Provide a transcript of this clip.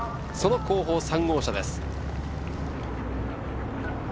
その後方の３号車です。